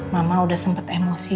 mama udah sempet emosi